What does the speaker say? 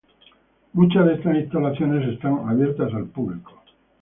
Muchas de estas instalaciones están abiertas al público.